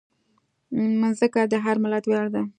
مځکه د هر ملت ویاړ ده.